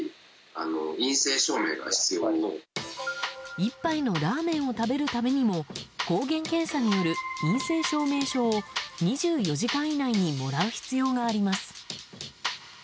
１杯のラーメンを食べるためにも抗原検査による陰性証明書を２４時間以内にもらう必要があります。